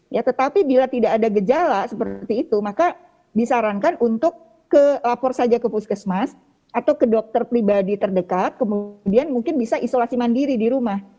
ya tetapi bila tidak ada gejala seperti itu maka disarankan untuk ke lapor saja ke puskesmas atau ke dokter pribadi terdekat kemudian mungkin bisa isolasi mandiri di rumah